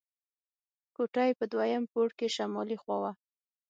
کوټه یې په دویم پوړ کې شمالي خوا وه.